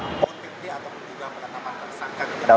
atau juga pengetahuan tersekan